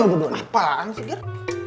apaan sih ger